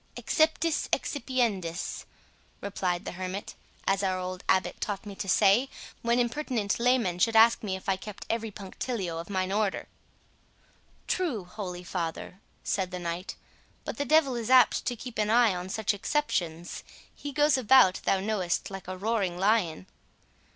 "'Exceptis excipiendis'" replied the hermit, "as our old abbot taught me to say, when impertinent laymen should ask me if I kept every punctilio of mine order." "True, holy father," said the knight; "but the devil is apt to keep an eye on such exceptions; he goes about, thou knowest, like a roaring lion."